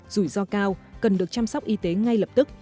rủi ro cao cần được chăm sóc y tế ngay lập tức